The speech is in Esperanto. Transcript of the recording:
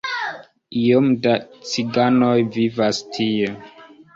Iom da ciganoj vivas tie.